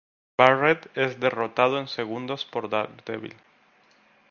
Barrett es derrotado en segundos por Daredevil.